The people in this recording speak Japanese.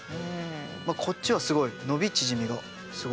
こっちはすごい伸び縮みがすごい。